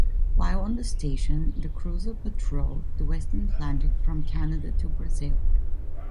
While on the Station, the cruiser patrolled the western Atlantic from Canada to Brazil.